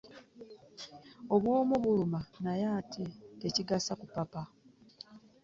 Obwomu buluma naye ate tekigasa kupapa.